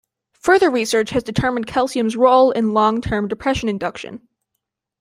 Further research has determined calcium's role in long-term depression induction.